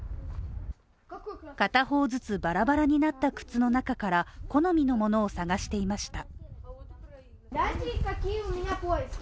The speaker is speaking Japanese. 片方ずつバラバラになった靴の中から好みのものを探していました。